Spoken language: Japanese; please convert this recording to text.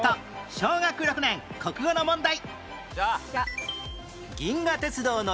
小学６年国語の問題